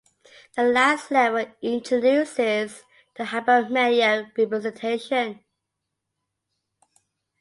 The last level introduces the hypermedia representation.